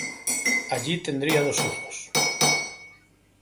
Allí tendría dos hijos.